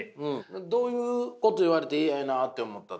どういうこと言われて嫌やなって思ったとか？